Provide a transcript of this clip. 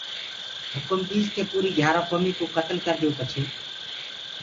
هُڪم ديس ڪي پوريٚ گھِيآرآ ڪوميٚ ڪو ڪتلَ ڪرَديئو پڇي